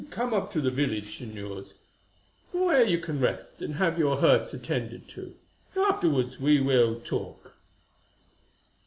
"But come up to the village, Señors, where you can rest and have your hurts attended to; afterwards we will talk."